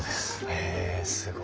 へえすごい。